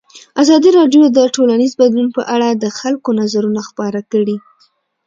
ازادي راډیو د ټولنیز بدلون په اړه د خلکو نظرونه خپاره کړي.